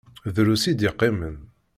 Drus i d-iqqimen.